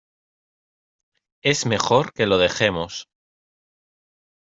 es mejor que lo dejemos